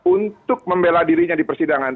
untuk membela dirinya di persidangan